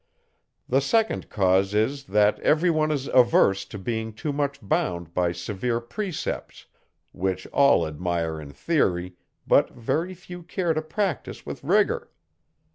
The second cause is, that every one is averse to being too much bound by severe precepts, which all admire in theory, but very few care to practice with rigour.